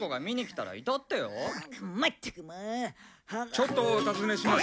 ちょっとお尋ねします。